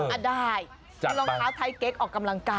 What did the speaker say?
อ้าวได้ใช้รองเท้าเต๋กออกกำลังกาม